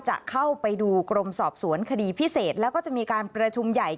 จะเข้าไปดูกรมสอบสวนคดีพิเศษแล้วก็จะมีการประชุมใหญ่